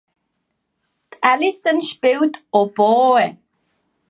Alison spielt Oboe.